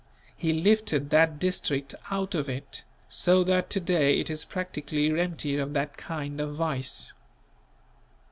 He lifted that district out of it, so that to day it is practically empty of that kind of vice.